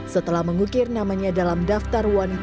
setelah mengukir namanya dalam daftar wanita